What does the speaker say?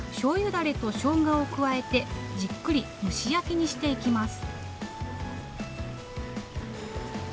だれとしょうがを加えてじっくり蒸し焼きにしていきます。